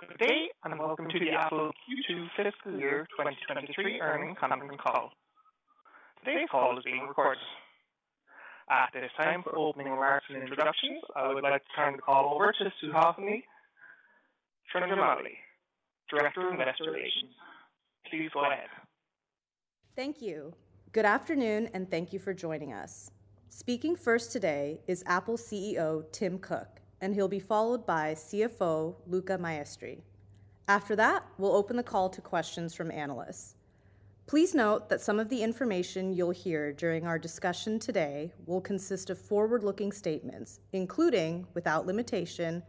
Good day and welcome to the Apple Q2 Fiscal Year 2023 Earnings Conference Call. Today's call is being recorded. At this time, for opening remarks and introductions, I would like to turn the call over to Suhasini Chandramouli, Director of Investor Relations. Please go ahead. Thank you. Good afternoon. Thank you for joining us. Speaking first today is Apple CEO Tim Cook. He'll be followed by CFO Luca Maestri. After that, we'll open the call to questions from analysts. Please note that some of the information you'll hear during our discussion today will consist of forward-looking statements, including, without limitation,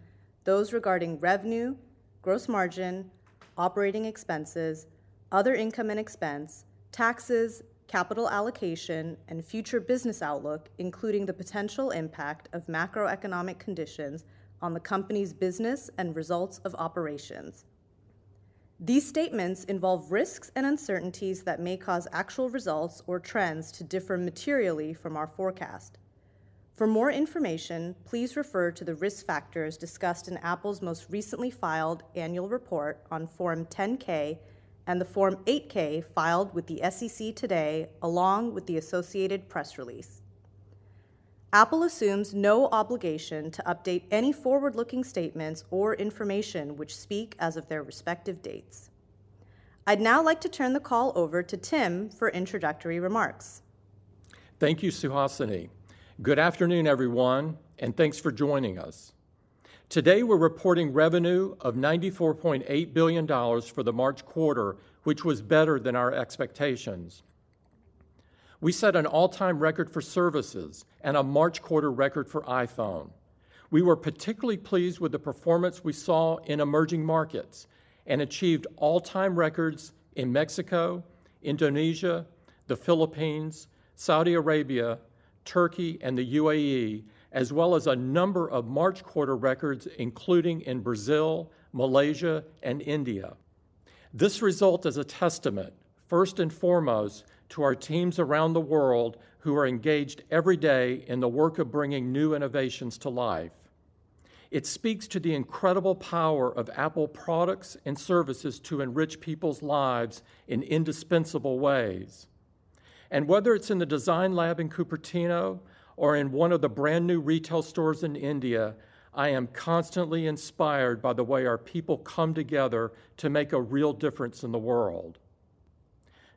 those regarding revenue, gross margin, operating expenses, other income and expense, taxes, capital allocation, and future business outlook, including the potential impact of macroeconomic conditions on the company's business and results of operations. These statements involve risks and uncertainties that may cause actual results or trends to differ materially from our forecast. For more information, please refer to the risk factors discussed in Apple's most recently filed annual report on Form 10-K and the Form 8-K filed with the SEC today, along with the associated press release. Apple assumes no obligation to update any forward-looking statements or information which speak as of their respective dates. I'd now like to turn the call over to Tim for introductory remarks. Thank you, Suhasini. Good afternoon, everyone. Thanks for joining us. Today we're reporting revenue of $94.8 billion for the March quarter, which was better than our expectations. We set an all-time record for services and a March quarter record for iPhone. We were particularly pleased with the performance we saw in emerging markets and achieved all-time records in Mexico, Indonesia, the Philippines, Saudi Arabia, Turkey, and the UAE, as well as a number of March quarter records, including in Brazil, Malaysia, and India. This result is a testament, first and foremost, to our teams around the world who are engaged every day in the work of bringing new innovations to life. It speaks to the incredible power of Apple products and services to enrich people's lives in indispensable ways. Whether it's in the design lab in Cupertino or in one of the brand-new retail stores in India, I am constantly inspired by the way our people come together to make a real difference in the world.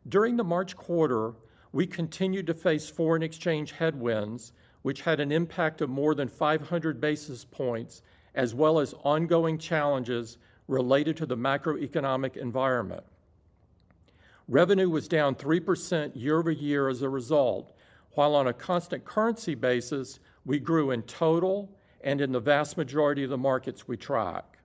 During the March quarter, we continued to face foreign exchange headwinds, which had an impact of more than 500 basis points, as well as ongoing challenges related to the macroeconomic environment. Revenue was down 3% year-over-year as a result, while on a constant currency basis, we grew in total and in the vast majority of the markets we track.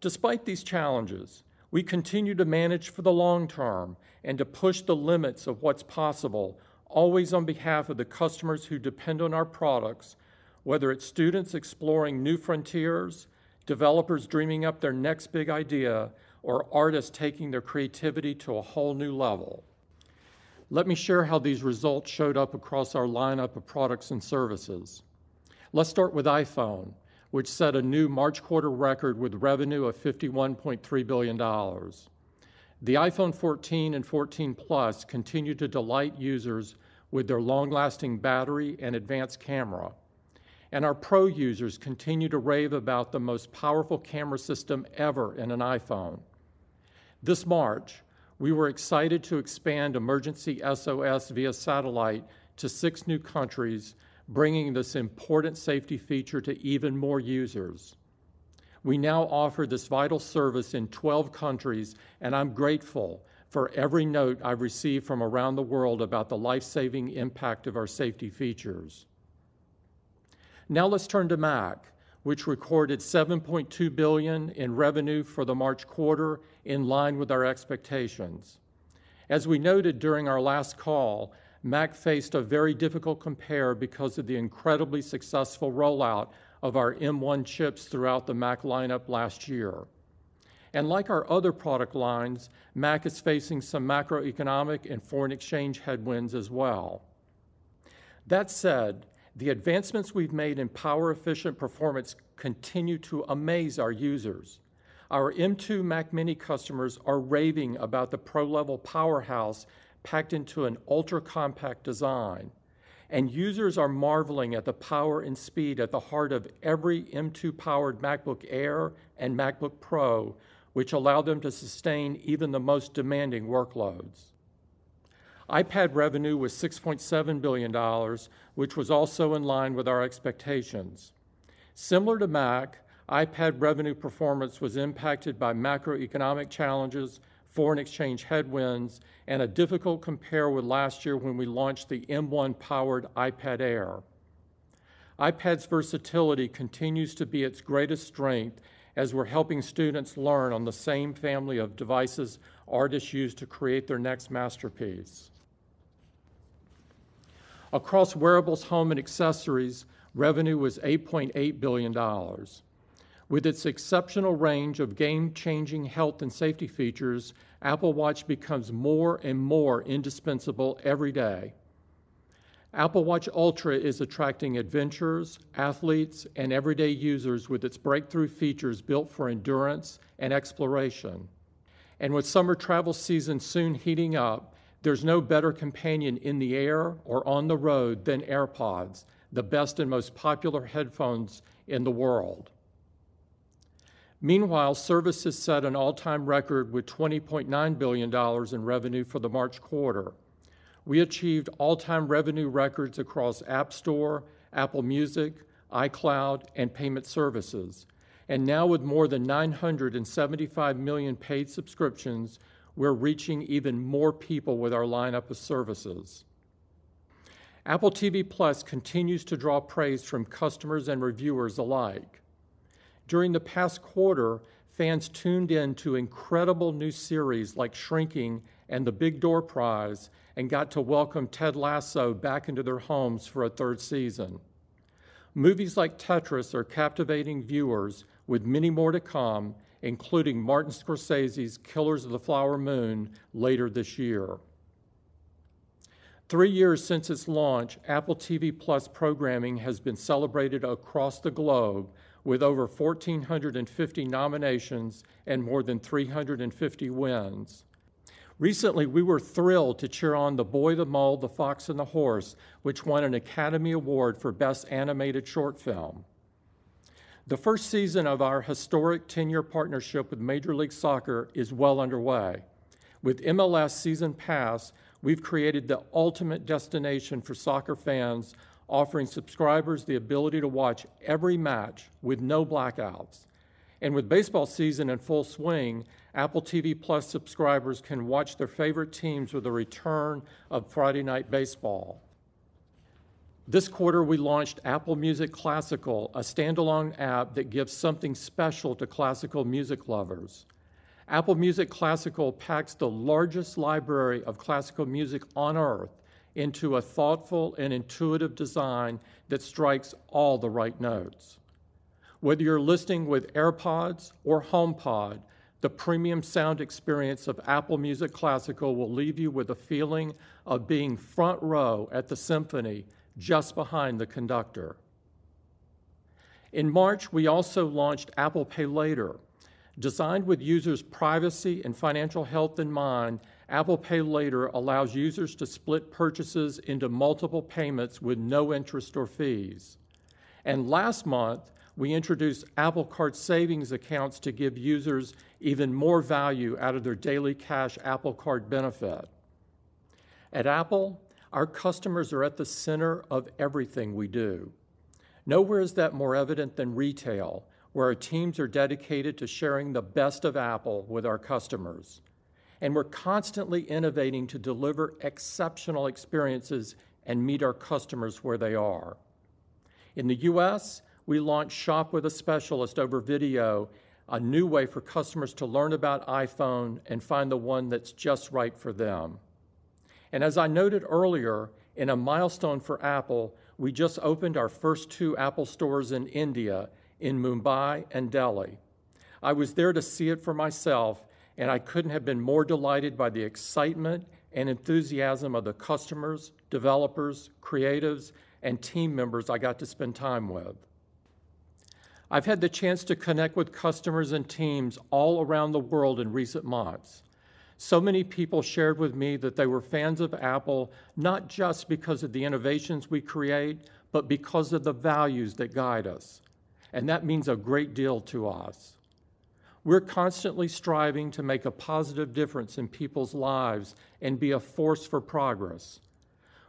Despite these challenges, we continue to manage for the long term and to push the limits of what's possible, always on behalf of the customers who depend on our products, whether it's students exploring new frontiers, developers dreaming up their next big idea, or artists taking their creativity to a whole new level. Let me share how these results showed up across our lineup of products and services. Let's start with iPhone, which set a new March quarter record with revenue of $51.3 billion. The iPhone 14 and 14 Plus continue to delight users with their long-lasting battery and advanced camera. Our Pro users continue to rave about the most powerful camera system ever in an iPhone. This March, we were excited to expand Emergency SOS via satellite to six new countries, bringing this important safety feature to even more users. We now offer this vital service in 12 countries, I'm grateful for every note I receive from around the world about the life-saving impact of our safety features. Let's turn to Mac, which recorded $7.2 billion in revenue for the March quarter, in line with our expectations. As we noted during our last call, Mac faced a very difficult compare because of the incredibly successful rollout of our M1 chips throughout the Mac lineup last year. Like our other product lines, Mac is facing some macroeconomic and foreign exchange headwinds as well. That said, the advancements we've made in power-efficient performance continue to amaze our users. Our M2 Mac mini customers are raving about the pro-level powerhouse packed into an ultra-compact design. Users are marveling at the power and speed at the heart of every M2-powered MacBook Air and MacBook Pro, which allow them to sustain even the most demanding workloads. iPad revenue was $6.7 billion, which was also in line with our expectations. Similar to Mac, iPad revenue performance was impacted by macroeconomic challenges, foreign exchange headwinds, and a difficult compare with last year when we launched the M1-powered iPad Air. iPad's versatility continues to be its greatest strength as we're helping students learn on the same family of devices artists use to create their next masterpiece. Across wearables, home, and accessories, revenue was $8.8 billion. With its exceptional range of game-changing health and safety features, Apple Watch becomes more and more indispensable every day. Apple Watch Ultra is attracting adventurers, athletes, and everyday users with its breakthrough features built for endurance and exploration. With summer travel season soon heating up, there's no better companion in the air or on the road than AirPods, the best and most popular headphones in the world. Meanwhile, services set an all-time record with $20.9 billion in revenue for the March quarter. We achieved all-time revenue records across App Store, Apple Music, iCloud, and payment services. Now with more than 975 million paid subscriptions, we're reaching even more people with our lineup of services. Apple TV+ continues to draw praise from customers and reviewers alike. During the past quarter, fans tuned in to incredible new series like Shrinking and The Big Door Prize and got to welcome Ted Lasso back into their homes for a third season. Movies like Tetris are captivating viewers with many more to come, including Martin Scorsese's Killers of the Flower Moon later this year. Three years since its launch, Apple TV+ programming has been celebrated across the globe with over 1,450 nominations and more than 350 wins. Recently, we were thrilled to cheer on The Boy, the Mole, the Fox and the Horse, which won an Academy Award for Best Animated Short Film. The first season of our historic 10-year partnership with Major League Soccer is well underway. With MLS Season Pass, we've created the ultimate destination for soccer fans, offering subscribers the ability to watch every match with no blackouts. With baseball season in full swing, Apple TV+ subscribers can watch their favorite teams with the return of Friday Night Baseball. This quarter, we launched Apple Music Classical, a standalone app that gives something special to classical music lovers. Apple Music Classical packs the largest library of classical music on Earth into a thoughtful and intuitive design that strikes all the right notes. Whether you're listening with AirPods or HomePod, the premium sound experience of Apple Music Classical will leave you with a feeling of being front row at the symphony just behind the conductor. In March, we also launched Apple Pay Later. Designed with users' privacy and financial health in mind, Apple Pay Later allows users to split purchases into multiple payments with no interest or fees. Last month, we introduced Apple Card Savings accounts to give users even more value out of their Daily Cash Apple Card benefit. At Apple, our customers are at the center of everything we do. Nowhere is that more evident than retail, where our teams are dedicated to sharing the best of Apple with our customers. We're constantly innovating to deliver exceptional experiences and meet our customers where they are. In the U.S., we launched Shop with a Specialist over Video, a new way for customers to learn about iPhone and find the one that's just right for them. As I noted earlier, in a milestone for Apple, we just opened our first two Apple stores in India in Mumbai and Delhi. I was there to see it for myself, and I couldn't have been more delighted by the excitement and enthusiasm of the customers, developers, creatives, and team members I got to spend time with. I've had the chance to connect with customers and teams all around the world in recent months. So many people shared with me that they were fans of Apple not just because of the innovations we create, but because of the values that guide us, and that means a great deal to us. We're constantly striving to make a positive difference in people's lives and be a force for progress.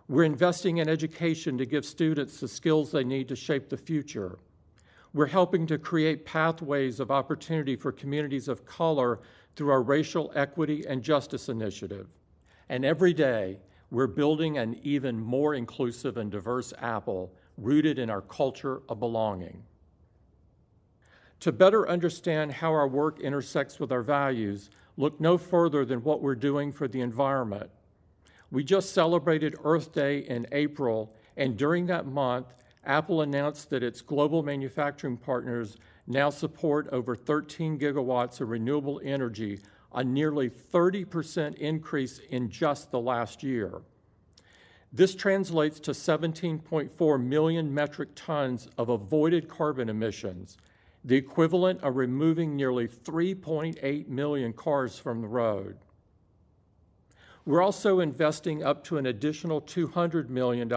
We're investing in education to give students the skills they need to shape the future. We're helping to create pathways of opportunity for communities of color through our Racial Equity and Justice Initiative. Every day, we're building an even more inclusive and diverse Apple rooted in our culture of belonging. To better understand how our work intersects with our values, look no further than what we're doing for the environment. We just celebrated Earth Day in April, during that month, Apple announced that its global manufacturing partners now support over 13GW of renewable energy, a nearly 30% increase in just the last year. This translates to 17.4 million metric tons of avoided carbon emissions, the equivalent of removing nearly 3.8 million cars from the road. We're also investing up to an additional $200 million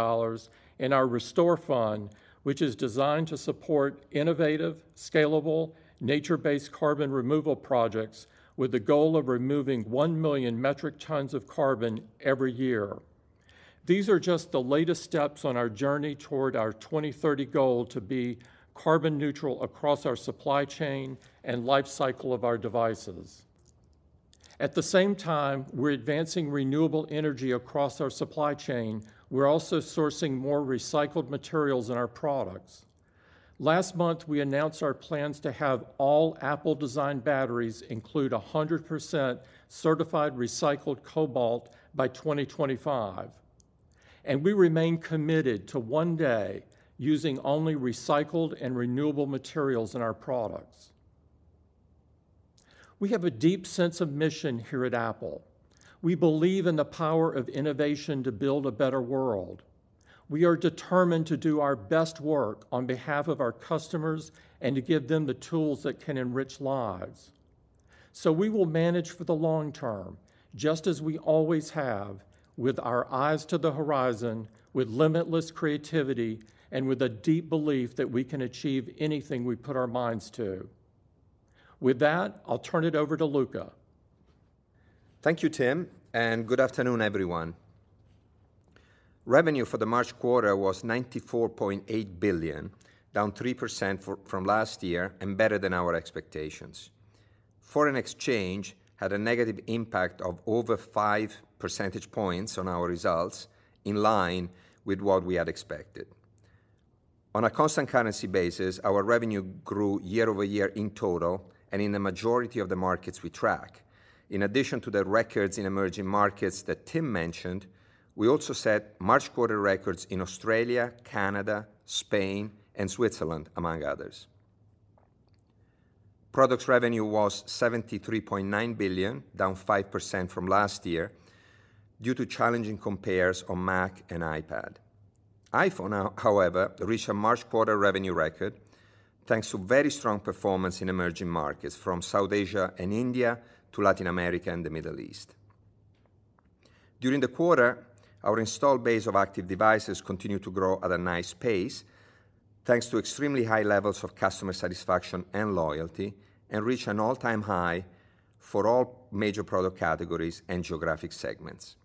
in our Restore Fund, which is designed to support innovative, scalable, nature-based carbon removal projects with the goal of removing 1 million metric tons of carbon every year. These are just the latest steps on our journey toward our 2030 goal to be carbon neutral across our supply chain and life cycle of our devices. At the same time we're advancing renewable energy across our supply chain, we're also sourcing more recycled materials in our products. Last month, we announced our plans to have all Apple-designed batteries include 100% certified recycled cobalt by 2025. We remain committed to one day using only recycled and renewable materials in our products. We have a deep sense of mission here at Apple. We believe in the power of innovation to build a better world. We are determined to do our best work on behalf of our customers and to give them the tools that can enrich lives. We will manage for the long term, just as we always have, with our eyes to the horizon, with limitless creativity, and with a deep belief that we can achieve anything we put our minds to. With that, I'll turn it over to Luca. Thank you, Tim, and good afternoon, everyone. Revenue for the March quarter was $94.8 billion, down 3% from last year and better than our expectations. Foreign exchange had a negative impact of over five percentage points on our results in line with what we had expected. On a constant currency basis, our revenue grew year-over-year in total and in the majority of the markets we track. In addition to the records in emerging markets that Tim mentioned, we also set March quarter records in Australia, Canada, Spain, and Switzerland, among others. Products revenue was $73.9 billion, down 5% from last year due to challenging compares on Mac and iPad. iPhone, however, reached a March quarter revenue record thanks to very strong performance in emerging markets from South Asia and India to Latin America and the Middle East. During the quarter, our installed base of active devices continued to grow at a nice pace, thanks to extremely high levels of customer satisfaction and loyalty, and reached an all-time high for all major product categories and geographic segments.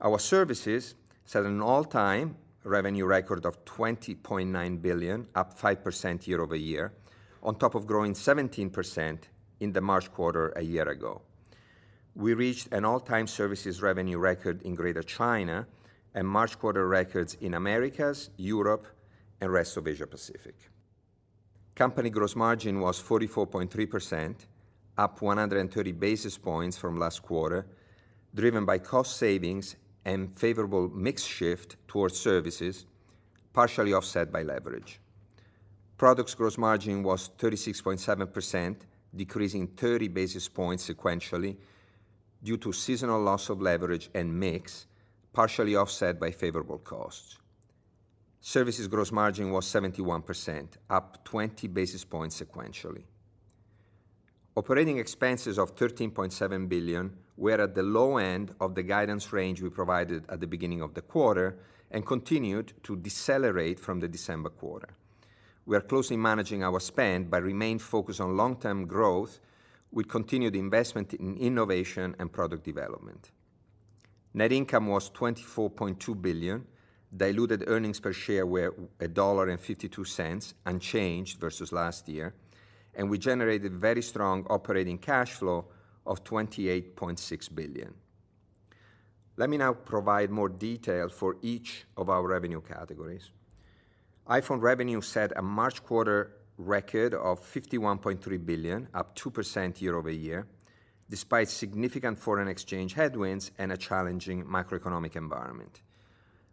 Our services set an all-time revenue record of $20.9 billion, up 5% year-over-year, on top of growing 17% in the March quarter a year ago. We reached an all-time services revenue record in Greater China and March quarter records in Americas, Europe, and rest of Asia-Pacific. Company gross margin was 44.3%, up 130 basis points from last quarter, driven by cost savings and favorable mix shift towards services, partially offset by leverage. Products gross margin was 36.7%, decreasing 30 basis points sequentially due to seasonal loss of leverage and mix, partially offset by favorable costs. Services gross margin was 71%, up 20 basis points sequentially. OpEx of $13.7 billion were at the low end of the guidance range we provided at the beginning of the quarter and continued to decelerate from the December quarter. We are closely managing our spend, but remain focused on long-term growth with continued investment in innovation and product development. Net income was $24.2 billion. Diluted earnings per share were $1.52, unchanged versus last year. We generated very strong operating cash flow of $28.6 billion. Let me now provide more detail for each of our revenue categories. iPhone revenue set a March quarter record of $51.3 billion, up 2% year-over-year, despite significant foreign exchange headwinds and a challenging macroeconomic environment.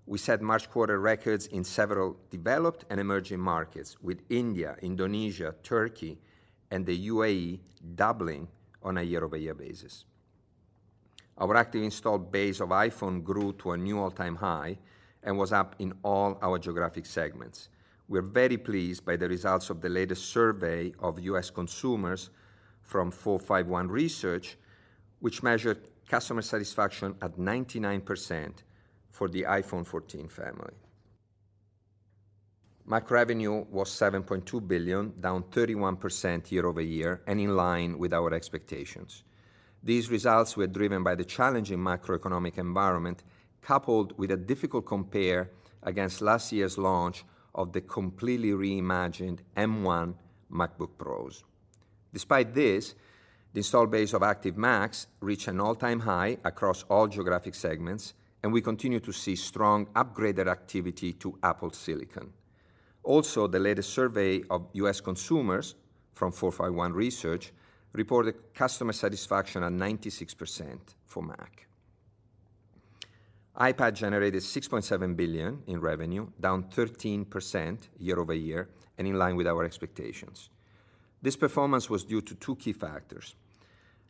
We set March quarter records in several developed and emerging markets, with India, Indonesia, Turkey, and the UAE doubling on a year-over-year basis. Our active installed base of iPhone grew to a new all-time high and was up in all our geographic segments. We are very pleased by the results of the latest survey of U.S. consumers from 451 Research, which measured customer satisfaction at 99% for the iPhone 14 family. Mac revenue was $7.2 billion, down 31% year-over-year and in line with our expectations. These results were driven by the challenging macroeconomic environment, coupled with a difficult compare against last year's launch of the completely reimagined M1 MacBook Pros. Despite this, the install base of active Macs reached an all-time high across all geographic segments, and we continue to see strong upgraded activity to Apple silicon. The latest survey of U.S. consumers from 451 Research reported customer satisfaction at 96% for Mac. iPad generated $6.7 billion in revenue, down 13% year-over-year and in line with our expectations. This performance was due to two key factors: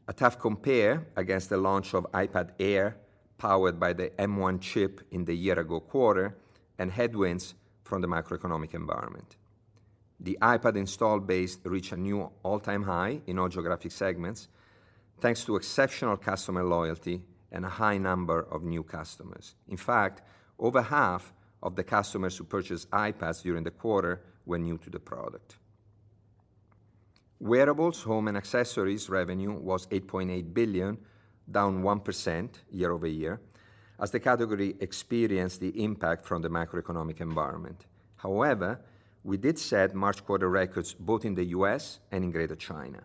a tough compare against the launch of iPad Air powered by the M1 chip in the year-ago quarter and headwinds from the macroeconomic environment. The iPad installed base reached a new all-time high in all geographic segments, thanks to exceptional customer loyalty and a high number of new customers. In fact, over half of the customers who purchased iPads during the quarter were new to the product. Wearables, home, and accessories revenue was $8.8 billion, down 1% year-over-year, as the category experienced the impact from the macroeconomic environment. However, we did set March quarter records both in the U.S. and in Greater China.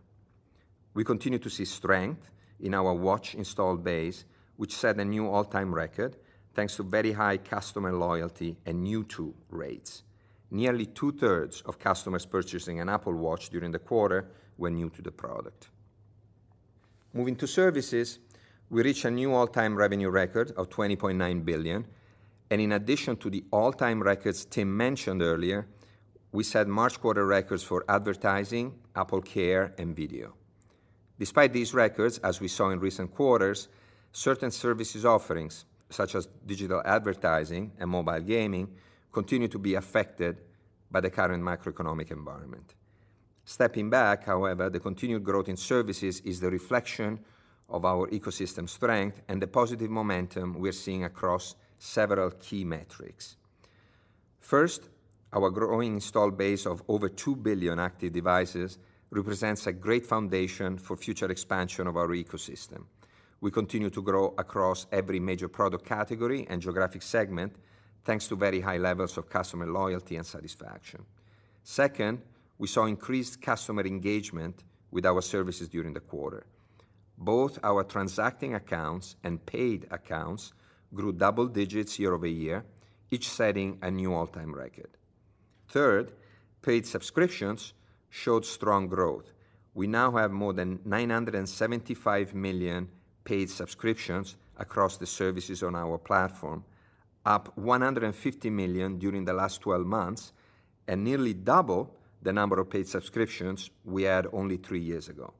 We continue to see strength in our Watch installed base, which set a new all-time record thanks to very high customer loyalty and new-to rates. Nearly two-thirds of customers purchasing an Apple Watch during the quarter were new to the product. Moving to services, we reached a new all-time revenue record of $20.9 billion, and in addition to the all-time records Tim mentioned earlier, we set March quarter records for advertising, AppleCare, and video. Despite these records, as we saw in recent quarters, certain services offerings, such as digital advertising and mobile gaming, continue to be affected by the current macroeconomic environment. Stepping back, however, the continued growth in services is the reflection of our ecosystem strength and the positive momentum we're seeing across several key metrics. First, our growing install base of over two billion active devices represents a great foundation for future expansion of our ecosystem. We continue to grow across every major product category and geographic segment, thanks to very high levels of customer loyalty and satisfaction. Second, we saw increased customer engagement with our services during the quarter. Both our transacting accounts and paid accounts grew double digits year-over-year, each setting a new all-time record. Third, paid subscriptions showed strong growth. We now have more than 975 million paid subscriptions across the services on our platform, up 150 million during the last 12 months, and nearly double the number of paid subscriptions we had only three years ago.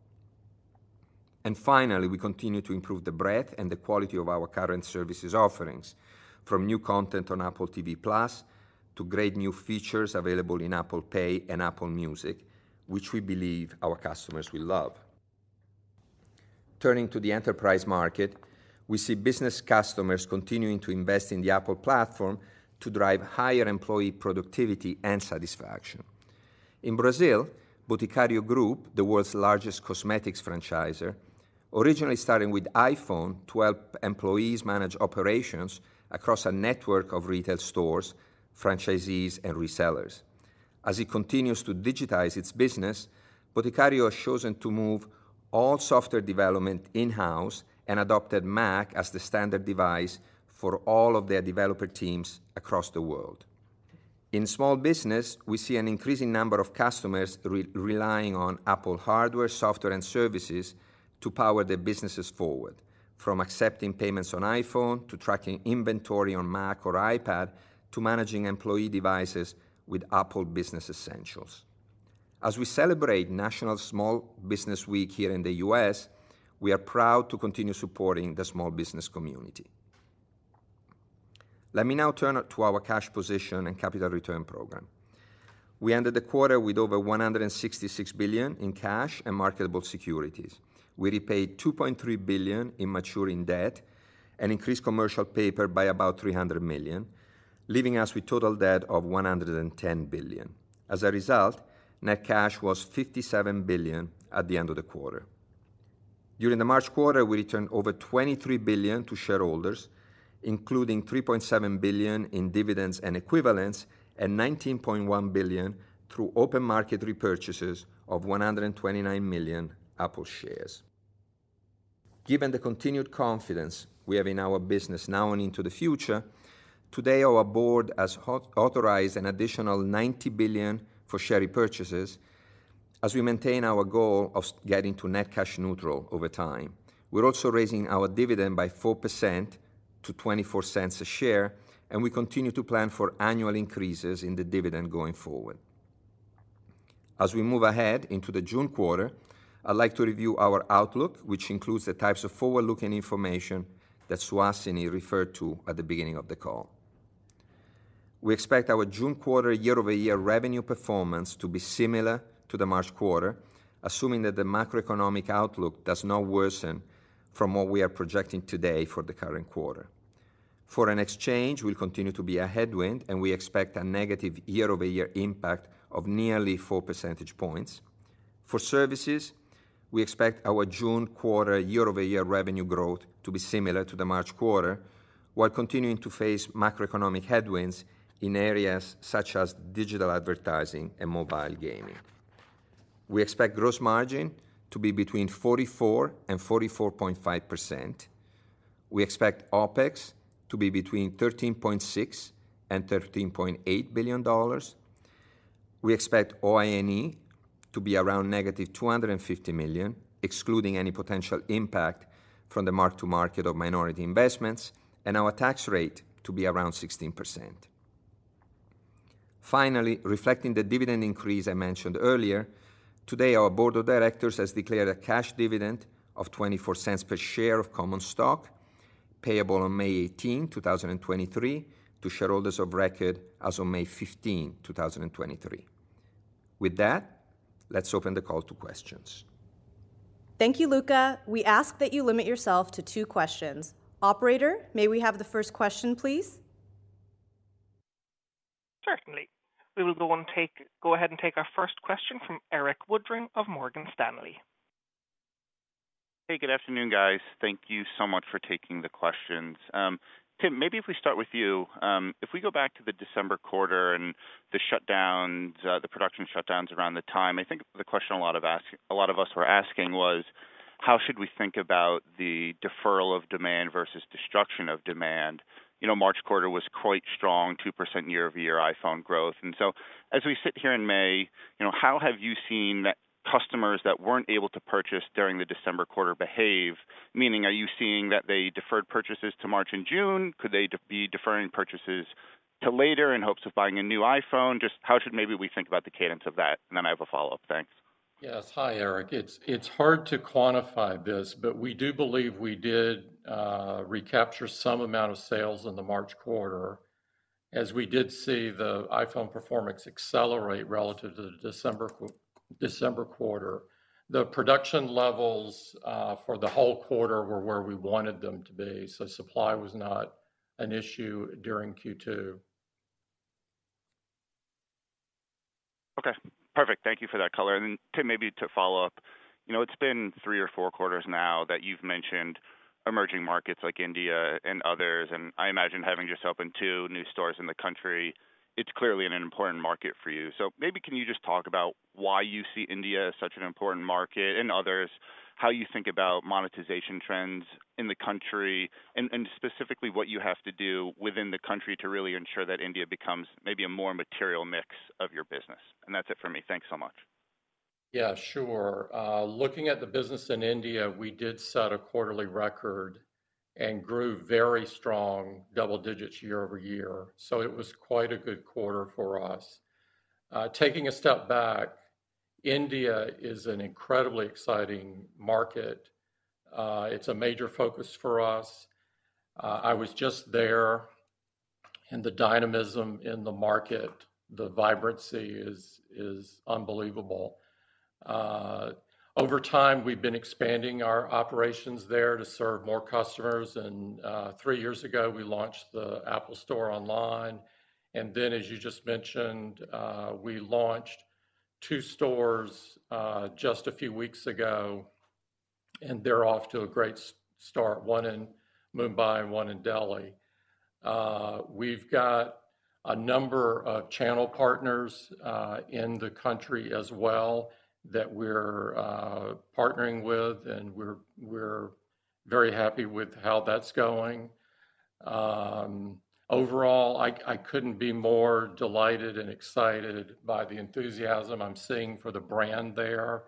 Finally, we continue to improve the breadth and the quality of our current services offerings, from new content on Apple TV+ to great new features available in Apple Pay and Apple Music, which we believe our customers will love. Turning to the enterprise market, we see business customers continuing to invest in the Apple platform to drive higher employee productivity and satisfaction. In Brazil, Grupo Boticário, the world's largest cosmetics franchisor, originally starting with iPhone to help employees manage operations across a network of retail stores, franchisees, and resellers. As it continues to digitize its business, Boticário has chosen to move all software development in-house and adopted Mac as the standard device for all of their developer teams across the world. In small business, we see an increasing number of customers relying on Apple hardware, software, and services to power their businesses forward, from accepting payments on iPhone, to tracking inventory on Mac or iPad, to managing employee devices with Apple Business Essentials. As we celebrate National Small Business Week here in the U.S., we are proud to continue supporting the small business community. Let me now turn to our cash position and capital return program. We ended the quarter with over $166 billion in cash and marketable securities. We repaid $2.3 billion in maturing debt and increased commercial paper by about $300 million, leaving us with total debt of 110 billion. As a result, net cash was $57 billion at the end of the quarter. During the March quarter, we returned over $23 billion to shareholders, including 3.7 billion in dividends and equivalents and 19.1 billion through open market repurchases of 129 million Apple shares. Given the continued confidence we have in our business now and into the future, today our board has authorized an additional $90 billion for share repurchases as we maintain our goal of getting to net cash neutral over time. We're also raising our dividend by 4% to $0.24 a share, and we continue to plan for annual increases in the dividend going forward. As we move ahead into the June quarter, I'd like to review our outlook, which includes the types of forward-looking information that Suhasini referred to at the beginning of the call. We expect our June quarter year-over-year revenue performance to be similar to the March quarter, assuming that the macroeconomic outlook does not worsen from what we are projecting today for the current quarter. Foreign exchange will continue to be a headwind, and we expect a negative year-over-year impact of nearly four percentage points. For services, we expect our June quarter year-over-year revenue growth to be similar to the March quarter, while continuing to face macroeconomic headwinds in areas such as digital advertising and mobile gaming. We expect gross margin to be between 44% and 44.5%. We expect OpEx to be between $13.6 and 13.8 billion. We expect OINE to be around -$250 million, excluding any potential impact from the mark to market of minority investments, and our tax rate to be around 16%. Finally, reflecting the dividend increase I mentioned earlier, today our board of directors has declared a cash dividend of $0.24 per share of common stock payable on May 18, 2023 to shareholders of record as of May 15, 2023. With that, let's open the call to questions. Thank you, Luca. We ask that you limit yourself to two questions. Operator, may we have the first question, please? Certainly. We will go ahead and take our first question from Erik Woodring of Morgan Stanley. Hey, good afternoon, guys. Thank you so much for taking the questions. Tim, maybe if we start with you. If we go back to the December quarter and the shutdowns, the production shutdowns around the time, I think the question a lot of us were asking was: How should we think about the deferral of demand versus destruction of demand? You know, March quarter was quite strong, 2% year-over-year iPhone growth. As we sit here in May, you know, how have you seen customers that weren't able to purchase during the December quarter behave? Meaning, are you seeing that they deferred purchases to March and June? Could they be deferring purchases to later in hopes of buying a new iPhone? Just how should maybe we think about the cadence of that? I have a follow-up. Thanks. Yes. Hi, Erik. It's hard to quantify this, but we do believe we did recapture some amount of sales in the March quarter as we did see the iPhone performance accelerate relative to the December quarter. The production levels for the whole quarter were where we wanted them to be, so supply was not an issue during Q2. Okay, perfect. Thank you for that color. Tim, maybe to follow up. You know, it's been three or four quarters now that you've mentioned emerging markets like India and others, I imagine having just opened two new stores in the country, it's clearly an important market for you. Maybe can you just talk about why you see India as such an important market and others, how you think about monetization trends in the country, and specifically what you have to do within the country to really ensure that India becomes maybe a more material mix of your business? That's it for me. Thanks so much. Yeah, sure. Looking at the business in India, we did set a quarterly record and grew very strong double digits year-over-year. It was quite a good quarter for us. Taking a step back, India is an incredibly exciting market. It's a major focus for us. I was just there. The dynamism in the market, the vibrancy is unbelievable. Over time, we've been expanding our operations there to serve more customers, and three years ago, we launched the Apple Store online. As you just mentioned, we launched two stores, just a few weeks ago, and they're off to a great start, one in Mumbai and one in Delhi. We've got a number of channel partners, in the country as well that we're partnering with, and we're very happy with how that's going. Overall, I couldn't be more delighted and excited by the enthusiasm I'm seeing for the brand there.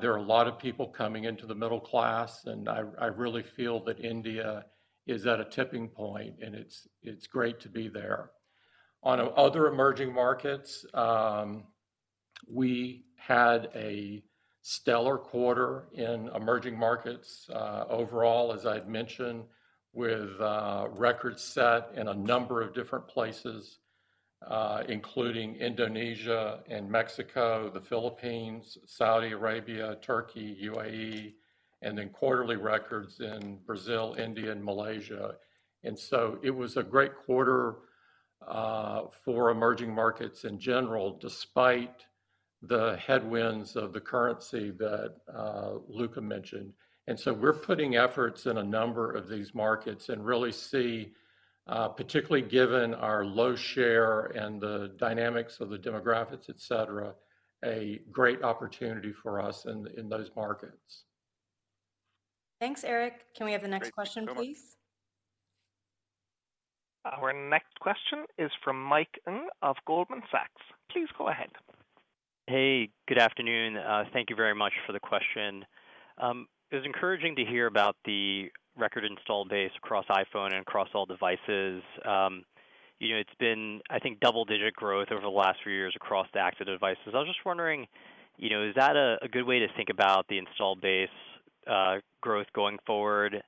There are a lot of people coming into the middle class, and I really feel that India is at a tipping point, and it's great to be there. On other emerging markets, we had a stellar quarter in emerging markets, overall, as I've mentioned, with records set in a number of different places, including Indonesia and Mexico, the Philippines, Saudi Arabia, Turkey, UAE, and then quarterly records in Brazil, India, and Malaysia. It was a great quarter for emerging markets in general, despite the headwinds of the currency that Luca mentioned. We're putting efforts in a number of these markets and really see, particularly given our low share and the dynamics of the demographics, et cetera, a great opportunity for us in those markets. Thanks, Erik. Can we have the next question, please? Thank you so much. Our next question is from Mike Ng of Goldman Sachs. Please go ahead. Hey, good afternoon. Thank you very much for the question. It was encouraging to hear about the record install base across iPhone and across all devices. You know, it's been, I think, double-digit growth over the last few years across the active devices. I was just wondering, you know, is that a good way to think about the install base growth going forward?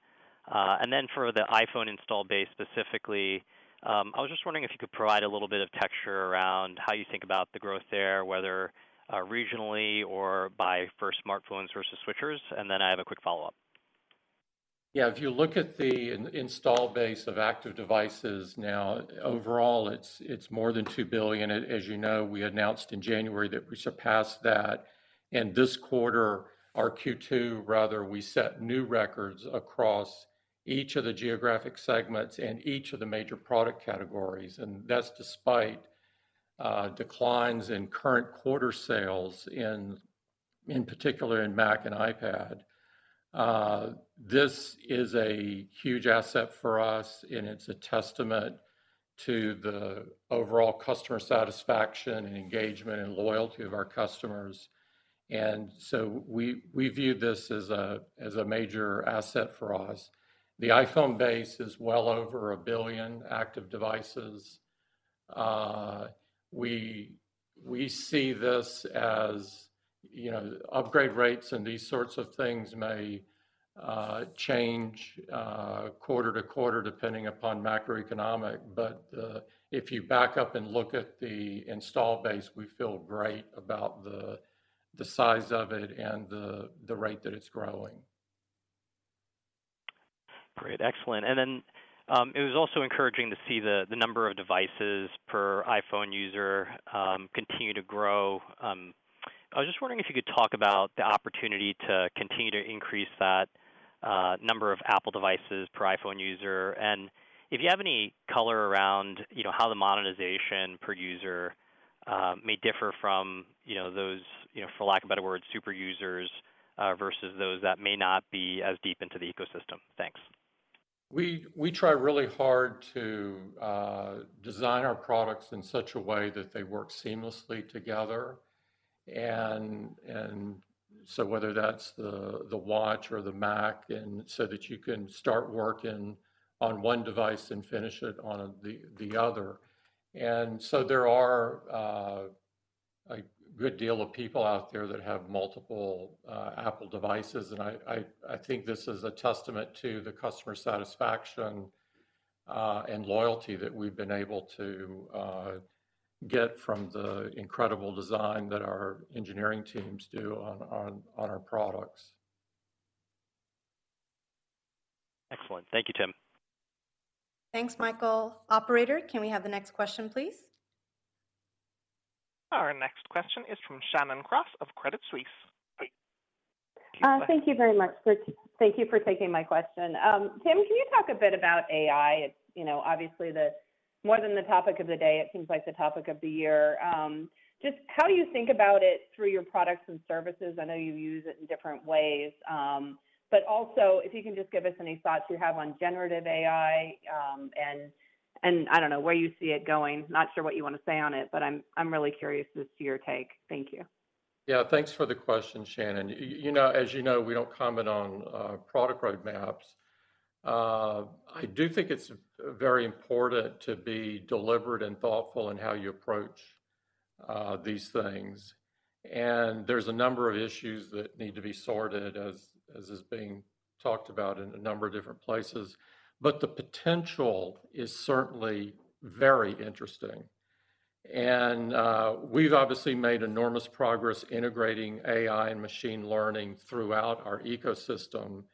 For the iPhone install base specifically, I was just wondering if you could provide a little bit of texture around how you think about the growth there, whether regionally or by first smartphones versus switchers, and then I have a quick follow-up. Yeah. If you look at the install base of active devices now, overall it's more than two billion. As you know, we announced in January that we surpassed that. This quarter or Q2 rather, we set new records across each of the geographic segments and each of the major product categories, and that's despite declines in current quarter sales in particular in Mac and iPad. This is a huge asset for us, and it's a testament to the overall customer satisfaction and engagement and loyalty of our customers. We view this as a major asset for us. The iPhone base is well over one billion active devices. We see this as, you know, upgrade rates and these sorts of things may change quarter to quarter, depending upon macroeconomic. If you back up and look at the install base, we feel great about the size of it and the rate that it's growing. Great. Excellent. It was also encouraging to see the number of devices per iPhone user continue to grow. I was just wondering if you could talk about the opportunity to continue to increase that? Number of Apple devices per iPhone user? If you have any color around, you know, how the monetization per user may differ from, you know, those, you know, for lack of better word, super users versus those that may not be as deep into the ecosystem? Thanks. We try really hard to design our products in such a way that they work seamlessly together. So whether that's the Watch or the Mac, that you can start working on one device and finish it on the other. There are a good deal of people out there that have multiple Apple devices. I think this is a testament to the customer satisfaction and loyalty that we've been able to get from the incredible design that our engineering teams do on our products. Excellent. Thank you, Tim. Thanks, Michael. Operator, can we have the next question, please? Our next question is from Shannon Cross of Credit Suisse. Thank you very much. Thank you for taking my question. Tim, can you talk a bit about AI? It's, you know, obviously more than the topic of the day, it seems like the topic of the year. Just how do you think about it through your products and services? I know you use it in different ways. Also if you can just give us any thoughts you have on Generative AI, and I don't know where you see it going. Not sure what you want to say on it, but I'm really curious just to your take. Thank you. Yeah, thanks for the question, Shannon. You know, as you know, we don't comment on product roadmaps. I do think it's very important to be deliberate and thoughtful in how you approach these things. There's a number of issues that need to be sorted as is being talked about in a number of different places. The potential is certainly very interesting. We've obviously made enormous progress integrating AI and machine learning throughout our ecosystem,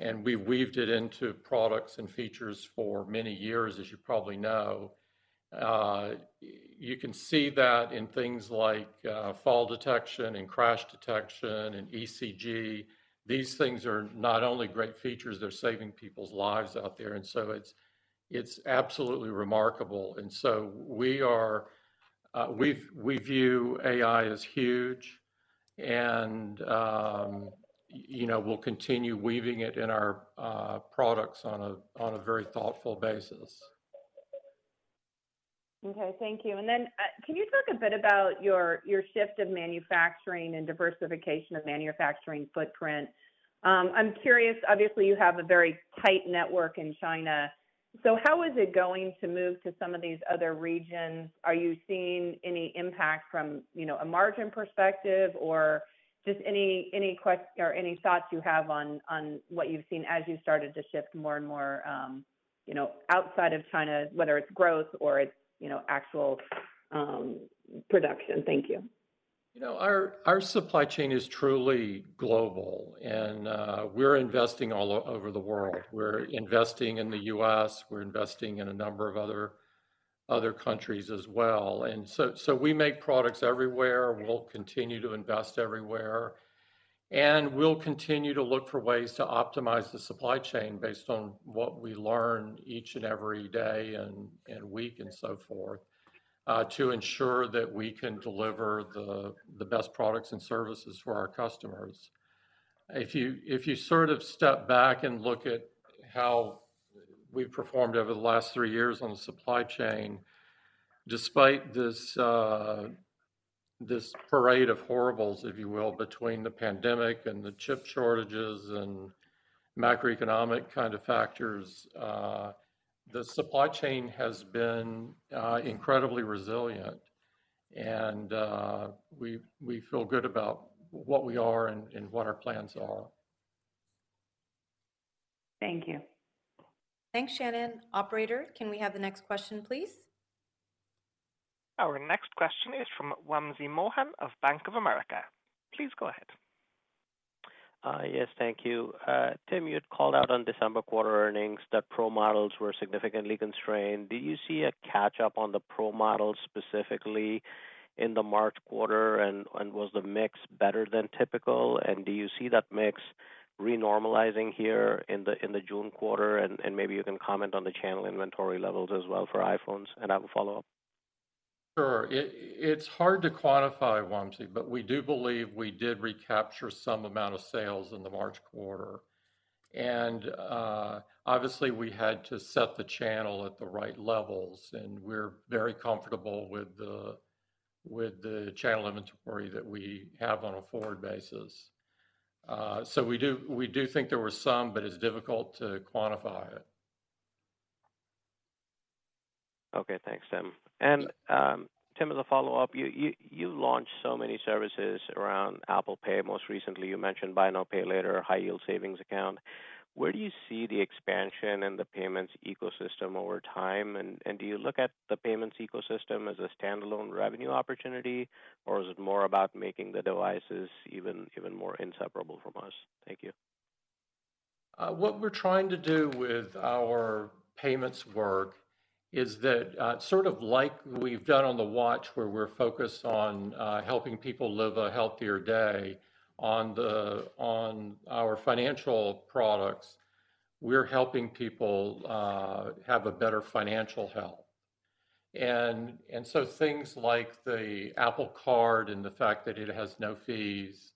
and we weaved it into products and features for many years, as you probably know. You can see that in things like Fall Detection and Crash Detection and ECG. These things are not only great features, they're saving people's lives out there. So it's absolutely remarkable. We are, we view AI as huge and, you know, we'll continue weaving it in our products on a very thoughtful basis. Okay, thank you. can you talk a bit about your shift of manufacturing and diversification of manufacturing footprint? I'm curious, obviously, you have a very tight network in China. How is it going to move to some of these other regions? Are you seeing any impact from, you know, a margin perspective or just any thoughts you have on what you've seen as you started to shift more and more, you know, outside of China, whether it's growth or it's, you know, actual production. Thank you. You know, our supply chain is truly global and we're investing all over the world. We're investing in the U.S., we're investing in a number of other countries as well. We make products everywhere. We'll continue to invest everywhere. We'll continue to look for ways to optimize the supply chain based on what we learn each and every day and week and so forth to ensure that we can deliver the best products and services for our customers. If you sort of step back and look at how we've performed over the last three years on the supply chain, despite this parade of horribles, if you will, between the pandemic and the chip shortages and macroeconomic kind of factors, the supply chain has been incredibly resilient and we feel good about what we are and what our plans are. Thank you. Thanks, Shannon. Operator, can we have the next question, please? Our next question is from Wamsi Mohan of Bank of America. Please go ahead. Yes, thank you. Tim, you had called out on December quarter earnings that Pro models were significantly constrained. Do you see a catch up on the Pro models specifically in the March quarter? Was the mix better than typical? Do you see that mix renormalizing here in the June quarter? Maybe you can comment on the channel inventory levels as well for iPhones? I have a follow-up. Sure. It's hard to quantify, Wamsi, but we do believe we did recapture some amount of sales in the March quarter. Obviously, we had to set the channel at the right levels, and we're very comfortable with the channel inventory that we have on a forward basis. We do think there were some, but it's difficult to quantify it. Okay. Thanks, Tim. Tim, as a follow-up, you launched so many services around Apple Pay. Most recently, you mentioned buy now, pay later, high yield savings account. Where do you see the expansion in the payments ecosystem over time? Do you look at the payments ecosystem as a standalone revenue opportunity, or is it more about making the devices even more inseparable from us? Thank you. What we're trying to do with our payments work is that, sort of like we've done on the Watch where we're focused on helping people live a healthier day, on our financial products, we're helping people have a better financial health. So things like the Apple Card and the fact that it has no fees,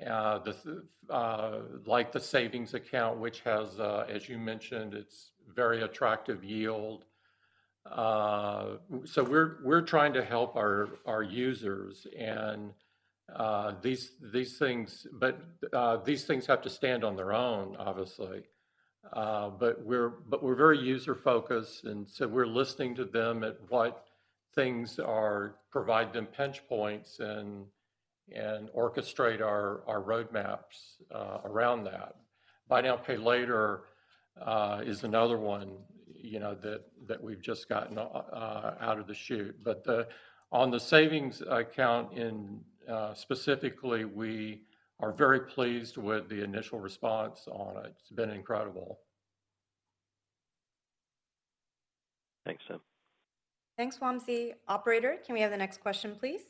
like the Savings account, which has, as you mentioned, it's very attractive yield. We're trying to help our users and these things. These things have to stand on their own, obviously. We're very user-focused, and so we're listening to them at what things are provide them pinch points and orchestrate our roadmaps around that. Buy now, pay later is another one, you know, that we've just gotten out of the chute. On the Savings account specifically, we are very pleased with the initial response on it. It's been incredible. Thanks, Tim. Thanks, Wamsi. Operator, can we have the next question, please?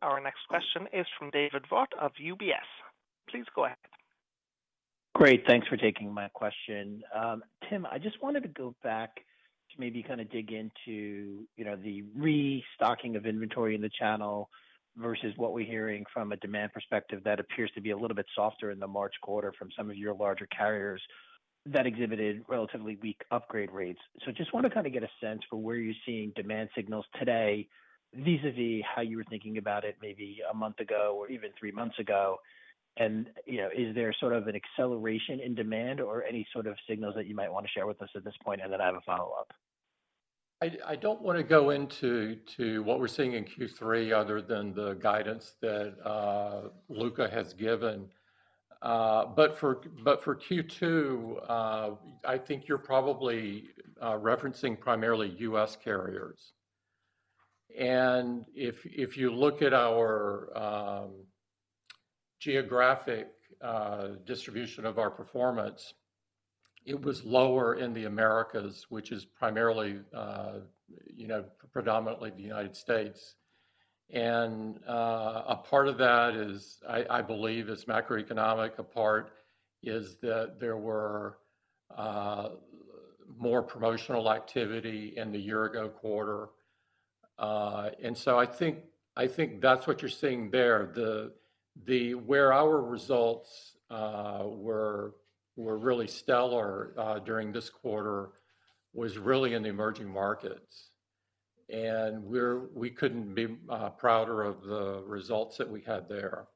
Our next question is from David Vogt of UBS. Please go ahead. Great. Thanks for taking my question. Tim, I just wanted to go back to maybe kind of dig into, you know, the restocking of inventory in the channel versus what we're hearing from a demand perspective that appears to be a little bit softer in the March quarter from some of your larger carriers that exhibited relatively weak upgrade rates. Just want to kind of get a sense for where you're seeing demand signals today vis-a-vis how you were thinking about it maybe a month ago or even three months ago? You know, is there sort of an acceleration in demand or any sort of signals that you might want to share with us at this point? Then I have a follow-up. I don't want to go into what we're seeing in Q3 other than the guidance that Luca has given. But for Q2, I think you're probably referencing primarily U.S. carriers. If you look at our geographic distribution of our performance, it was lower in the Americas, which is primarily, you know, predominantly the United States. A part of that is I believe is macroeconomic. A part is that there were more promotional activity in the year-ago quarter. I think that's what you're seeing there. Where our results were really stellar during this quarter was really in the emerging markets. We couldn't be prouder of the results that we had there.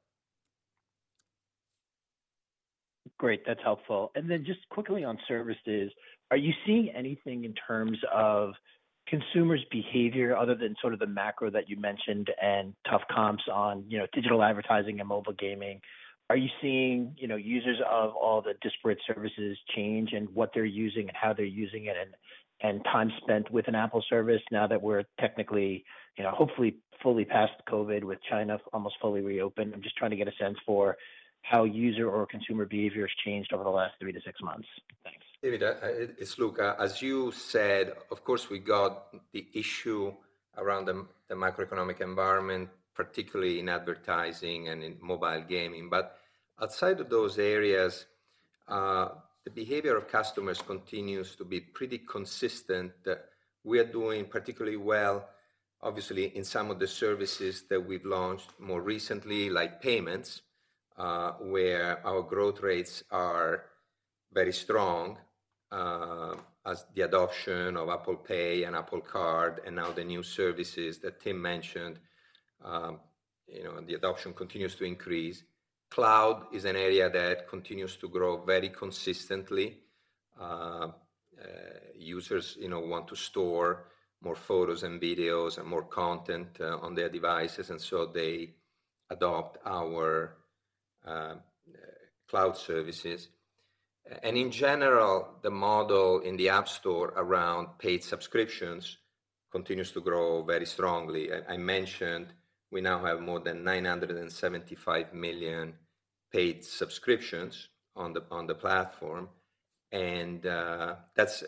Great. That's helpful. Just quickly on services, are you seeing anything in terms of consumers' behavior other than sort of the macro that you mentioned and tough comps on, you know, digital advertising and mobile gaming? Are you seeing, you know, users of all the disparate services change in what they're using and how they're using it and time spent with an Apple service now that we're technically, you know, hopefully fully past COVID with China almost fully reopened? I'm just trying to get a sense for how user or consumer behavior has changed over the last three to six months. Thanks. David, it's Luca. As you said, of course, we got the issue around the macroeconomic environment, particularly in advertising and in mobile gaming. Outside of those areas, the behavior of customers continues to be pretty consistent. We are doing particularly well, obviously, in some of the services that we've launched more recently, like payments, where our growth rates are very strong, as the adoption of Apple Pay and Apple Card and now the new services that Tim mentioned, you know, the adoption continues to increase. Cloud is an area that continues to grow very consistently. Users, you know, want to store more photos and videos and more content on their devices, and so they adopt our cloud services. In general, the model in the App Store around paid subscriptions continues to grow very strongly. I mentioned we now have more than 975 million paid subscriptions on the platform, and that's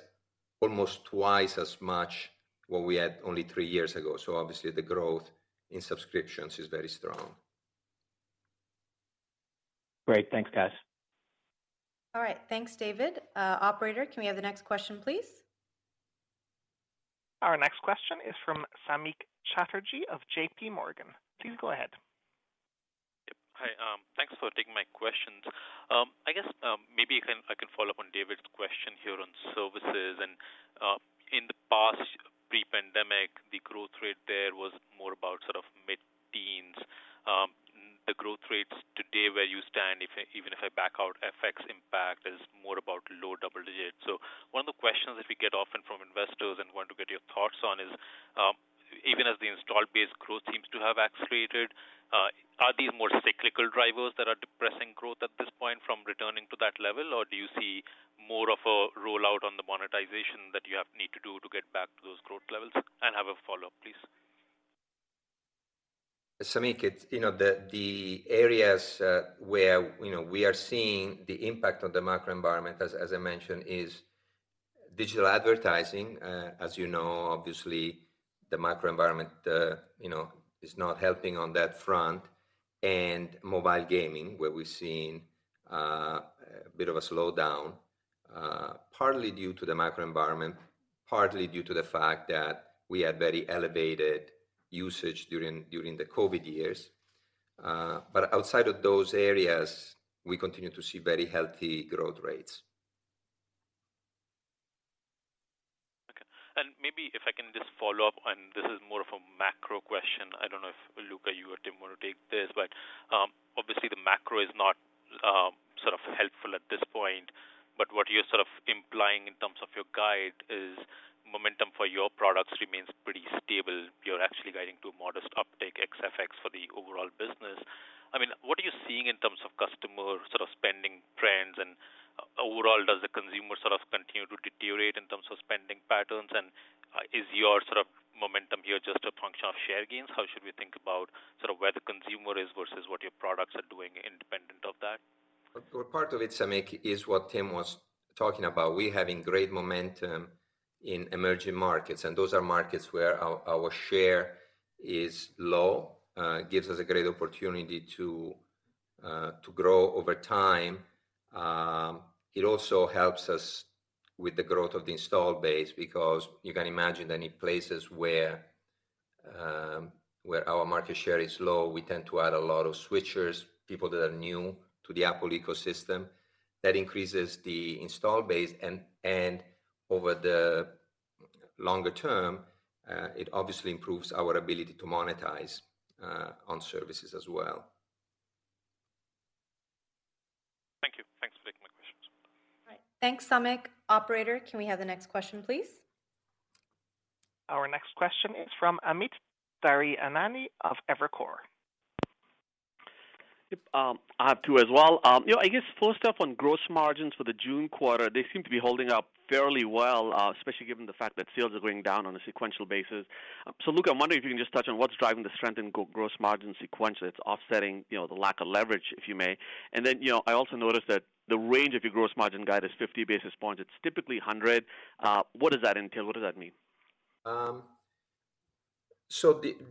almost twice as much what we had only three years ago. Obviously the growth in subscriptions is very strong. Great. Thanks, guys. All right. Thanks, David. Operator, can we have the next question, please? Our next question is from Samik Chatterjee of J.P. Morgan. Please go ahead. Yep. Hi. Thanks for taking my questions. I guess, maybe I can follow up on David's question here on services. In the past pre-pandemic, the growth rate there was more about sort of mid-teens. The growth rates today where you stand, even if I back out FX impact, is more about low double digits. One of the questions that we get often from investors and want to get your thoughts on is, even as the installed base growth seems to have accelerated, are these more cyclical drivers that are depressing growth at this point from returning to that level? Do you see more of a rollout on the monetization that you need to do to get back to those growth levels? I have a follow-up, please. Samik, it's, you know, the areas where, you know, we are seeing the impact of the macro environment as I mentioned, is digital advertising. As you know, obviously, the macro environment, you know, is not helping on that front. Mobile gaming, where we're seeing a bit of a slowdown, partly due to the macro environment, partly due to the fact that we had very elevated usage during the COVID years. Outside of those areas, we continue to see very healthy growth rates. Okay. Maybe if I can just follow up, and this is more of a macro question. I don't know if, Luca, you or Tim wanna take this, but obviously the macro is not sort of helpful at this point, but what you're sort of implying in terms of your guide is momentum for your products remains pretty stable. You're actually guiding to a modest uptake x effects for the overall business. I mean, what are you seeing in terms of customer sort of spending trends and overall, does the consumer sort of continue to deteriorate in terms of spending patterns? Is your sort of momentum here just a function of share gains? How should we think about sort of where the consumer is versus what your products are doing independent of that? Well, part of it, Samik, is what Tim was talking about. We're having great momentum in emerging markets, and those are markets where our share is low. Gives us a great opportunity to grow over time. It also helps us with the growth of the installed base because you can imagine any places where our market share is low, we tend to add a lot of switchers, people that are new to the Apple ecosystem. That increases the install base and over the longer term, it obviously improves our ability to monetize on services as well. Thank you. Thanks for taking my questions. All right. Thanks, Samik. Operator, can we have the next question, please? Our next question is from Amit Daryanani of Evercore. Yep. I have two as well. You know, I guess first up on gross margins for the June quarter, they seem to be holding up fairly well, especially given the fact that sales are going down on a sequential basis. Luca, I'm wondering if you can just touch on what's driving the strength in gross margin sequentially. It's offsetting, you know, the lack of leverage, if you may. You know, I also noticed that the range of your gross margin guide is 50 basis points. It's typically 100. What does that entail? What does that mean?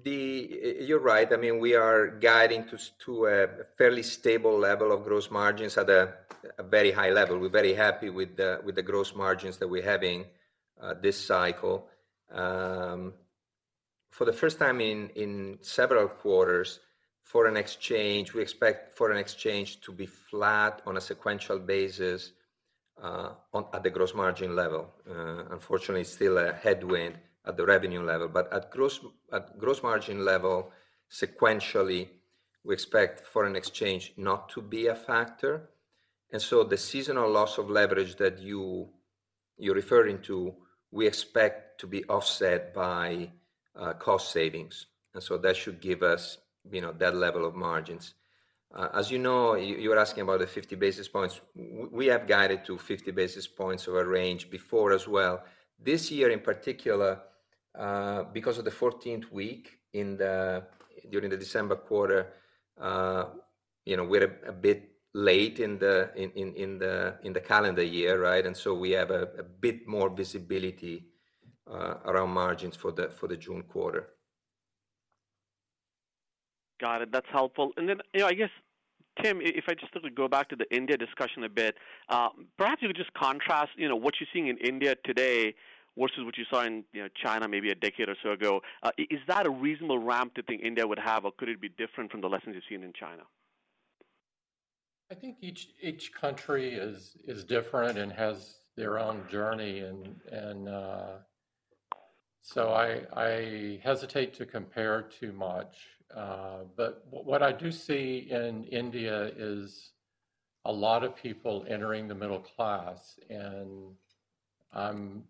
You're right. I mean, we are guiding to a fairly stable level of gross margins at a very high level. We're very happy with the gross margins that we're having this cycle. For the first time in several quarters, foreign exchange, we expect foreign exchange to be flat on a sequential basis at the gross margin level. Unfortunately, still a headwind at the revenue level, but at gross margin level, sequentially, we expect foreign exchange not to be a factor. The seasonal loss of leverage that you're referring to, we expect to be offset by cost savings. That should give us, you know, that level of margins. As you know, you were asking about the 50 basis points. We have guided to 50 basis points of a range before as well. This year in particular, because of the 14th week during the December quarter, you know, we're a bit late in the calendar year, right? We have a bit more visibility around margins for the June quarter. Got it. That's helpful. Then, you know, I guess, Tim, if I just sort of go back to the India discussion a bit, perhaps you could just contrast, you know, what you're seeing in India today versus what you saw in, you know, China maybe a decade or so ago? Is that a reasonable ramp to think India would have, or could it be different from the lessons you've seen in China? I think each country is different and has their own journey and, so I hesitate to compare too much. What I do see in India is a lot of people entering the middle class, and I'm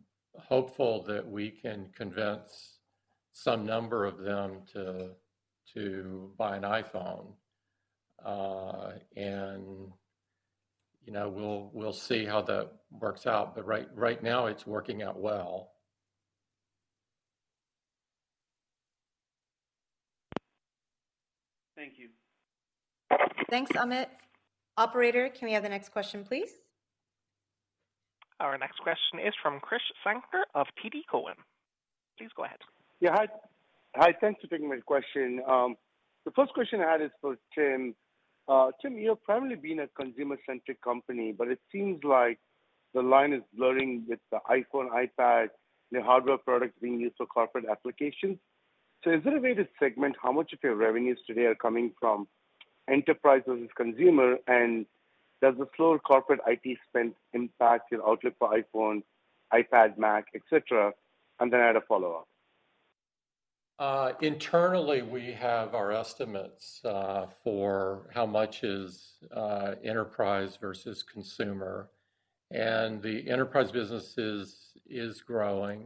hopeful that we can convince some number of them to buy an iPhone. You know, we'll see how that works out. Right now, it's working out well. Thank you. Thanks, Amit. Operator, can we have the next question, please? Our next question is from Krish Sankar of TD Cowen. Please go ahead. Yeah. Hi. Hi, thanks for taking my question. The first question I had is for Tim. Tim, you've primarily been a consumer-centric company, but it seems like the line is blurring with the iPhone, iPad, the hardware products being used for corporate applications. Is there a way to segment how much of your revenues today are coming from enterprises and consumer? Does the slower corporate IT spend impact your outlook for iPhone, iPad, Mac, et cetera? I had a follow-up. Internally, we have our estimates for how much is enterprise versus consumer. The enterprise business is growing.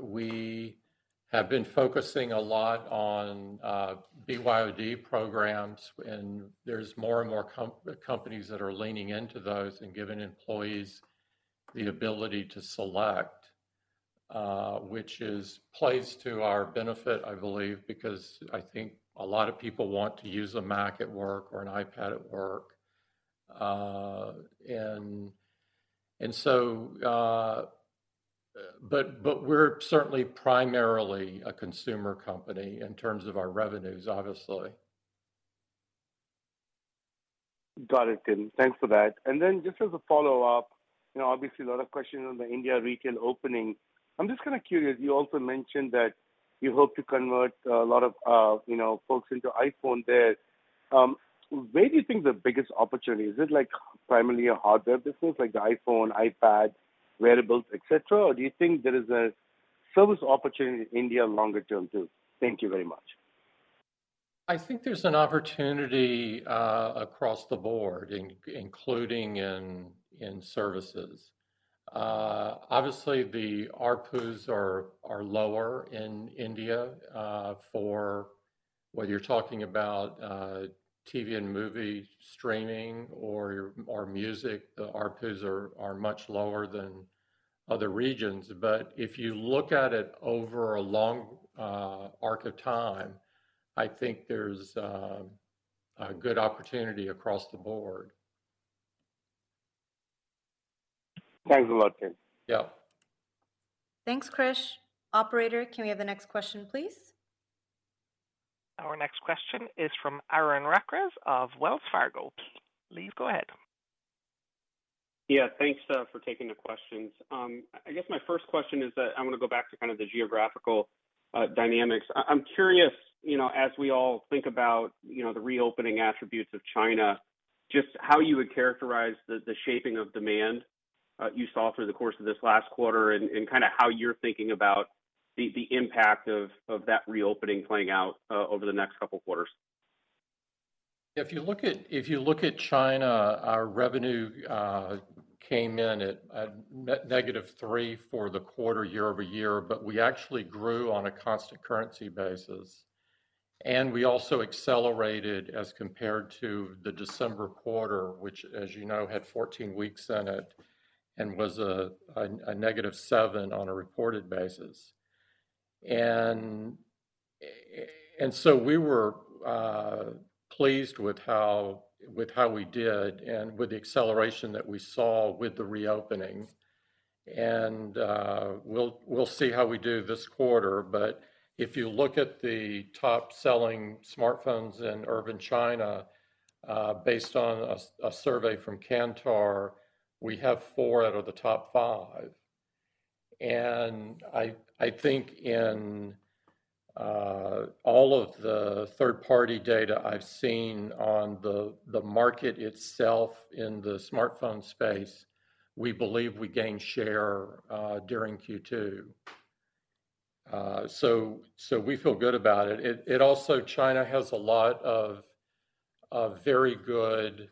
We have been focusing a lot on BYOD programs. There's more and more companies that are leaning into those and giving employees The ability to select, which is placed to our benefit, I believe, because I think a lot of people want to use a Mac at work or an iPad at work, and so. We're certainly primarily a consumer company in terms of our revenues, obviously. Got it, Tim. Thanks for that. Just as a follow-up, you know, obviously a lot of questions on the India retail opening. I'm just kinda curious, you also mentioned that you hope to convert a lot of, you know, folks into iPhone there. Where do you think the biggest opportunity? Is it, like, primarily a hardware business, like the iPhone, iPad, wearables, et cetera? Or do you think there is a service opportunity in India longer term too? Thank you very much. I think there's an opportunity across the board including in services. Obviously the ARPUs are lower in India for whether you're talking about TV and movie streaming or music. The ARPUs are much lower than other regions. If you look at it over a long arc of time, I think there's a good opportunity across the board. Thanks a lot, Tim. Yeah. Thanks, Krish. Operator, can we have the next question, please? Our next question is from Aaron Rakers of Wells Fargo. Please go ahead. Thanks for taking the questions. I guess my first question is that I wanna go back to kind of the geographical dynamics. I'm curious, you know, as we all think about, you know, the reopening attributes of China, just how you would characterize the shaping of demand you saw through the course of this last quarter and kinda how you're thinking about the impact of that reopening playing out over the next couple quarters. If you look at China, our revenue came in at negative 3% year-over-year, but we actually grew on a constant currency basis. We also accelerated as compared to the December quarter, which as you know, had 14 weeks in it and was a negative 7% on a reported basis. So we were pleased with how we did and with the acceleration that we saw with the reopening. We'll see how we do this quarter. But if you look at the top-selling smartphones in urban China, based on a survey from Kantar, we have four out of the top five. I think in all of the third-party data I've seen on the market itself in the smartphone space, we believe we gained share during Q2. We feel good about it. It also China has a lot of very good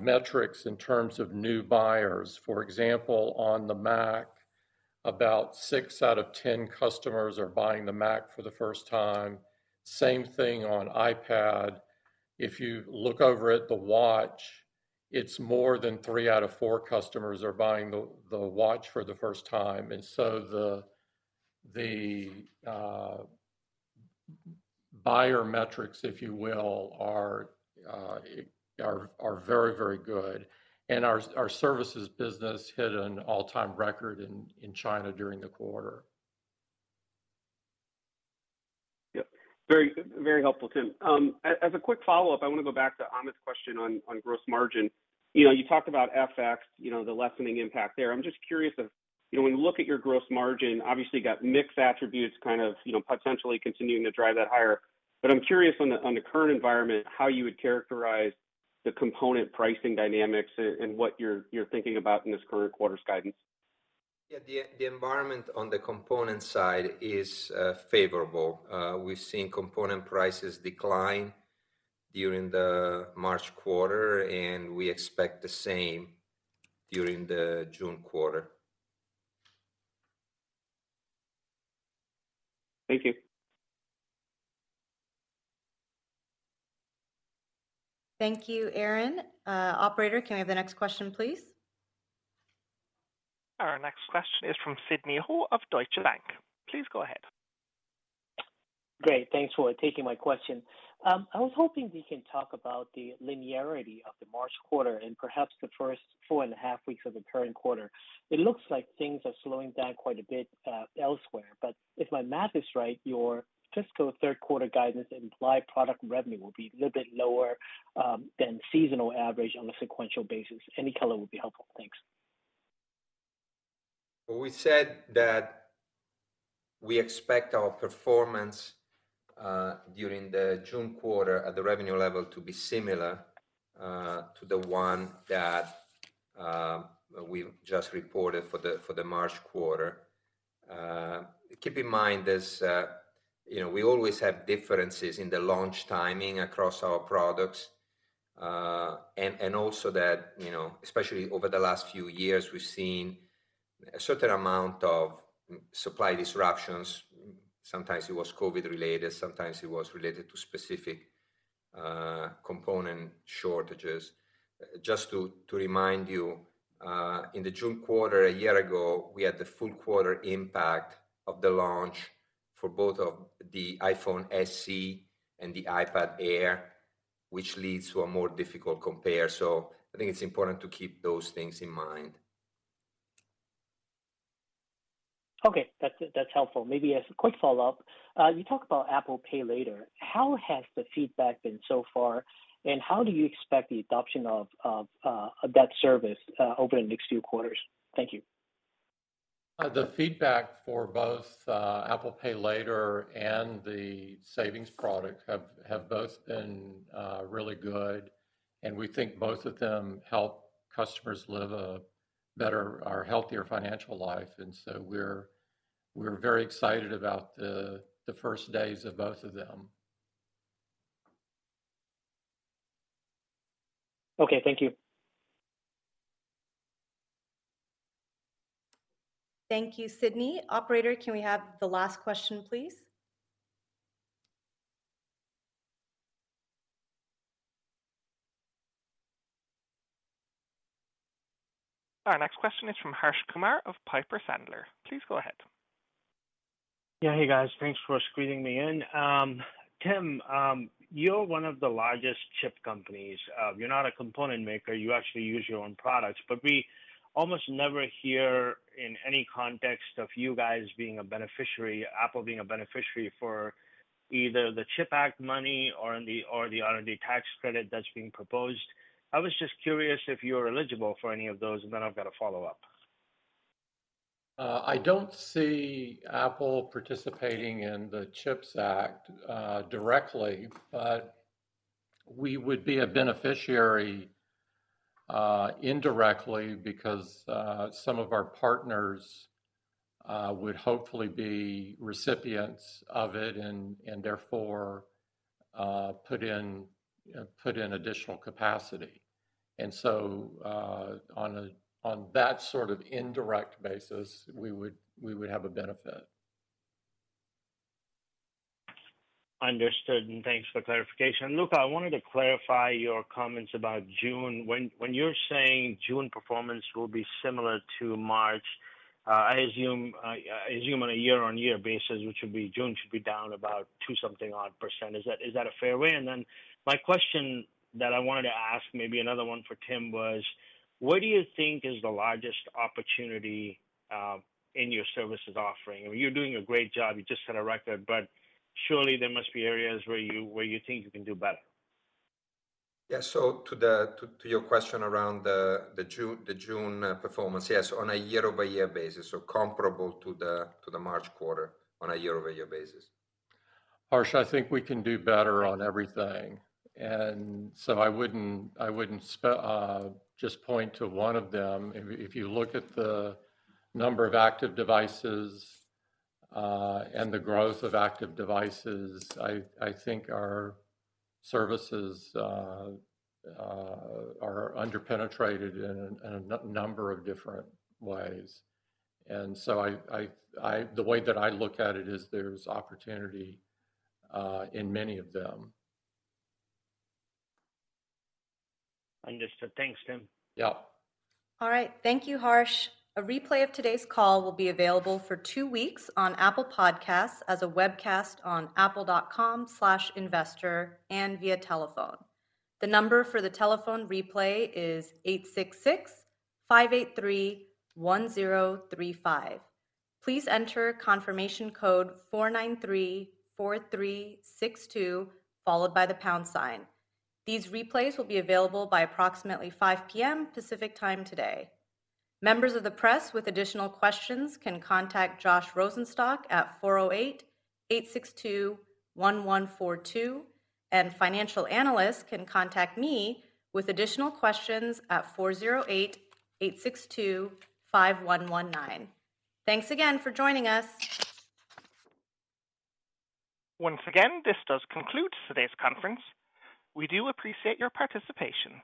metrics in terms of new buyers. For example, on the Mac, about six out of 10 customers are buying the Mac for the first time. Same thing on iPad. If you look over at the Watch, it's more than three out of four customers are buying the Watch for the first time. The buyer metrics, if you will, are very, very good. Our services business hit an all-time record in China during the quarter. Yeah. Very, very helpful, Tim. As a quick follow-up, I wanna go back to Amit's question on gross margin. You know, you talked about FX, you know, the lessening impact there. I'm just curious if, you know, when you look at your gross margin, obviously you got mix attributes kind of, you know, potentially continuing to drive that higher. I'm curious on the, on the current environment, how you would characterize the component pricing dynamics and what you're thinking about in this current quarter's guidance. Yeah. The environment on the component side is favorable. We've seen component prices decline during the March quarter. We expect the same during the June quarter. Thank you. Thank you, Aaron. Operator, can I have the next question, please? Our next question is from Sidney Ho of Deutsche Bank. Please go ahead. Great. Thanks for taking my question. I was hoping we can talk about the linearity of the March quarter and perhaps the first 4.5 weeks of the current quarter. It looks like things are slowing down quite a bit elsewhere. If my math is right, your fiscal Q3 guidance imply product revenue will be a little bit lower than seasonal average on a sequential basis. Any color would be helpful. Thanks. We said that we expect our performance during the June quarter at the revenue level to be similar to the one that we just reported for the March quarter. Keep in mind there's, you know, we always have differences in the launch timing across our products. Also that, you know, especially over the last few years, we've seen A certain amount of supply disruptions. Sometimes it was COVID related, sometimes it was related to specific component shortages. Just to remind you, in the June quarter a year ago, we had the full quarter impact of the launch for both of the iPhone SE and the iPad Air, which leads to a more difficult compare. I think it's important to keep those things in mind. That's helpful. Maybe as a quick follow-up, you talk about Apple Pay Later. How has the feedback been so far, and how do you expect the adoption of that service over the next few quarters? Thank you. The feedback for both Apple Pay Later and the Savings product have both been really good, and we think both of them help customers live a better or healthier financial life. We're very excited about the first days of both of them. Okay. Thank you. Thank you, Sidney. Operator, can we have the last question, please? Our next question is from Harsh Kumar of Piper Sandler. Please go ahead. Yeah. Hey, guys. Thanks for squeezing me in. Tim, you're one of the largest chip companies. You're not a component maker. You actually use your own products. We almost never hear in any context of you guys being Apple being a beneficiary for either the CHIPS Act money or the, or the R&D tax credit that's being proposed. I was just curious if you're eligible for any of those, and then I've got a follow-up. I don't see Apple participating in the CHIPS Act directly. We would be a beneficiary indirectly because some of our partners would hopefully be recipients of it and therefore put in additional capacity. On that sort of indirect basis, we would have a benefit. Understood, and thanks for the clarification. Luca, I wanted to clarify your comments about June. When you're saying June performance will be similar to March, I assume on a year-on-year basis, which would be June should be down about two something odd percent. Is that a fair way? My question that I wanted to ask, maybe another one for Tim was, what do you think is the largest opportunity in your services offering? I mean, you're doing a great job. You just set a record, but surely there must be areas where you think you can do better. Yeah. To your question around the June performance. Yes, on a year-over-year basis or comparable to the March quarter on a year-over-year basis. Harsh, I think we can do better on everything. I wouldn't just point to one of them. If you look at the number of active devices, and the growth of active devices, I think our services are under-penetrated in a number of different ways. The way that I look at it is there's opportunity in many of them. Understood. Thanks, Tim. Yeah. All right. Thank you, Harsh. A replay of today's call will be available for two weeks on Apple Podcasts as a webcast on apple.com/investor and via telephone. The number for the telephone replay is 8665831035. Please enter confirmation code 4934362, followed by the pound sign. These replays will be available by approximately 5:00 P.M. Pacific Time today. Members of the press with additional questions can contact Josh Rosenstock at 4088621142, and financial analysts can contact me with additional questions at 4088625119. Thanks again for joining us. Once again, this does conclude today's conference. We do appreciate your participation.